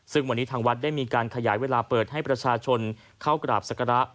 ซึ่งวันนี้ทางวัดได้มีการขยายเวลาเปิดให้ประชาชนเข้ากราบศักระ